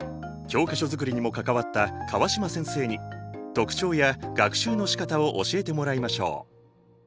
教科書作りにも関わった川島先生に特徴や学習のしかたを教えてもらいましょう。